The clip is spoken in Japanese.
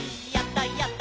「やった！